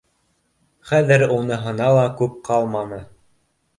Хәҙер уныһына ла күп ҡалманы